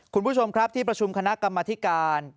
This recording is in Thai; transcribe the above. คุณผู้ชมครับที่ประชุมคณะกรรมธิการ